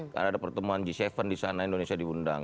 karena ada pertemuan g tujuh di sana indonesia diundang